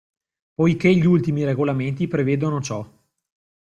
Poiché gli ultimi regolamenti prevedono ciò.